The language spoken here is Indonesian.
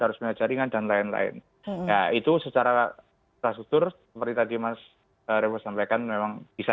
harusnya jaringan dan lain lain itu secara tersebut seperti tadi mas revo sampaikan memang bisa